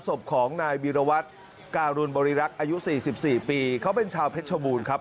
ศพของนายวิรวัตรการุณบริรักษ์อายุ๔๔ปีเขาเป็นชาวเพชรบูรณ์ครับ